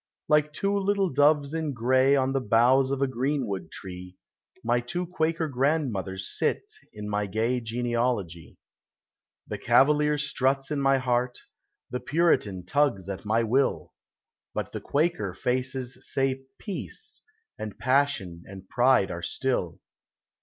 Like two little doves in gray On the boughs of a greenwood tree, My two Quaker grandmothers sit In my gay genealogy. The Cavalier struts in my heart, The Puritan tugs at my will, But the Quaker faces say " Peace," And passion and pride are still.